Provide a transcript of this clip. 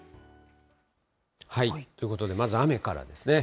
ということで、まず雨からですね。